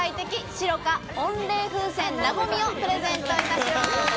Ｓｉｒｏｃａ温冷風扇なごみ」をプレゼントいたします。